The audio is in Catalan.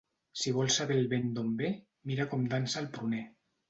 Si vols saber el vent d'on ve, mira com dansa el pruner.